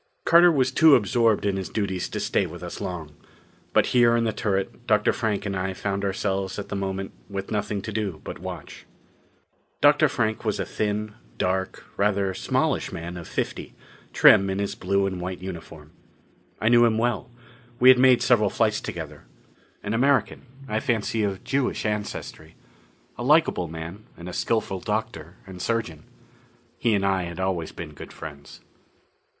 Carter was too absorbed in his duties to stay with us long. But here in the turret Dr. Frank and I found ourselves at the moment with nothing much to do but watch. Dr. Frank was a thin, dark, rather smallish man of fifty, trim in his blue and white uniform. I knew him well: we had made several flights together. An American I fancy of Jewish ancestry. A likable man, and a skillful doctor and surgeon. He and I had always been good friends.